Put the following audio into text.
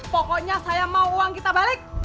pokoknya saya mau uang kita balik